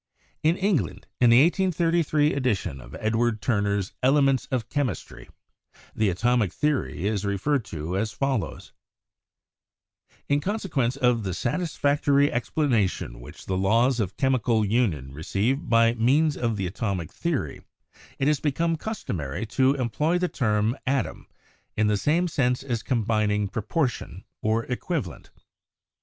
In England in the 1833 edition of Edward Turner's "Elements of Chemistry" the atomic theory is referred to as follows: "In consequence of the satisfactory explanation which the laws of chemical union receive by means of the atomic theory it has become customary to employ the term atom in the same sense as combining proportion or equivalent."